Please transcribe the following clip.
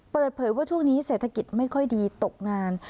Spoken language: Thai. เปิดเผยว่าช่วงนี้เศรษฐกิจไม่ค่อยดีตกงาน